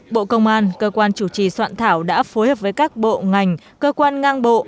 bộ công an cơ quan chủ trì soạn thảo đã phối hợp với các bộ ngành cơ quan ngang bộ